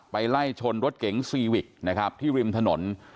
ไล่ชนรถเก๋งซีวิกนะครับที่ริมถนน